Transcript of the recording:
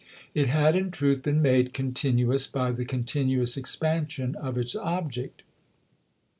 It had in truth been made continuous by the continuous expansion of its object.